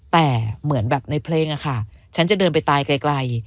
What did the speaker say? แต่เหมือนแบบในเพลงอะค่ะฉันจะเดินไปตายไกล